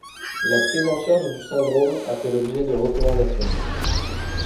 La prise en charge du syndrome a fait l'objet de recommandations.